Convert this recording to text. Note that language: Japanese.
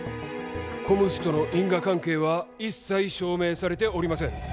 ＣＯＭＳとの因果関係は一切証明されておりません